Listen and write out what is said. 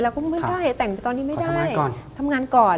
แล้วก็ไม่ได้แต่งตอนนี้ไม่ได้ทำงานก่อน